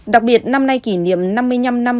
đặc biệt năm nay kỷ niệm năm mươi năm năm